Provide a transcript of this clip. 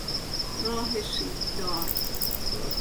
راه شیبدار